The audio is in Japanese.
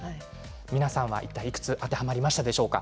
皆様は、いくつ当てはまりましたでしょうか。